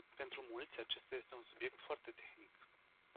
Pentru mulți, acesta este un subiect foarte tehnic.